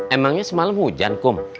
emangnya semalam hujan kum